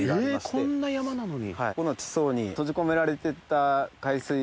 えこんな山なのに。